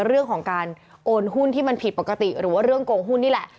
เรื่องของการโอนหุ้นที่มันผิดปกติหรือว่าเรื่องโกงหุ้นนี่แหละ